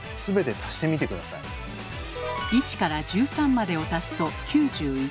１から１３までを足すと９１。